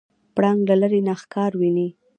پړانګ له لرې نه ښکار ویني.